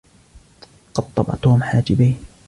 قطب توم حاجبيه.